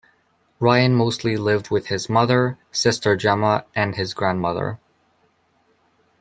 Ryan mostly lived with his mother, sister Gemma and his grandmother.